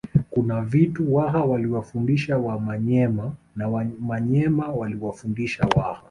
Kuna vitu Waha waliwafundisha Wamanyema na Wamanyema waliwafundisha Waha